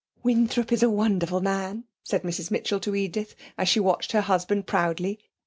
'Winthrop is a wonderful man!' said Mrs Mitchell to Edith, as she watched her husband proudly.